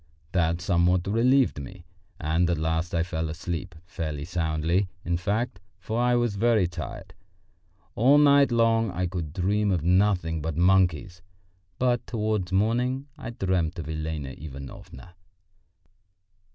That somewhat relieved me, and at last I fell asleep fairly soundly, in fact, for I was very tired. All night long I could dream of nothing but monkeys, but towards morning I dreamt of Elena Ivanovna.